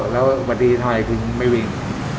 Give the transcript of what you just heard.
แล้ววันดีหน่อยถึงไม่วิ่ง